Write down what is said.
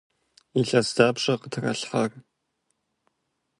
Илъэс дапщэ къытралъхьар?